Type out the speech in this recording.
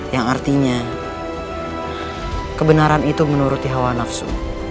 yang artinya kebenaran itu menuruti hawa nafsu